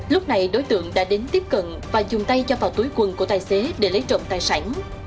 lúc này đối tượng đã đến tiếp cận và dùng tay cho vào túi quần của tài xế để lấy trộm tài sản